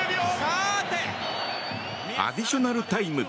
アディショナルタイム。